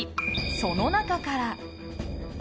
その中から。